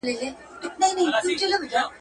هغه ته یاد وه په نیژدې کلیو کي ډېر نکلونه.